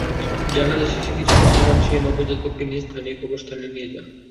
জানাজা শেষে কিছু মুসলমান সেই নবজাতককে নিয়ে স্থানীয় কবরস্থানে নিয়ে যান।